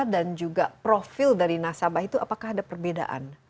dan juga profil dari nasabah itu apakah ada perbedaan